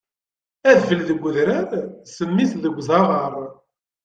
Adfel deg udrar, ssemm-is deg uẓaɣar.